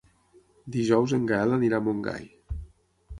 Dijous en Gaël anirà a Montgai.